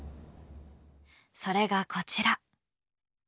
それがこちら。